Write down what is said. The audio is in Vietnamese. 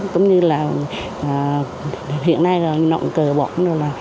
cũng như là hiện nay là nộng cờ bọn nó là